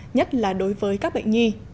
nhất là đối với các bệnh nhi